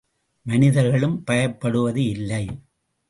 மனிதர்களும் பயப்படுவது இல்லை.